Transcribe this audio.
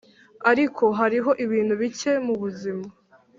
ariko hariho ibintu bike mubuzima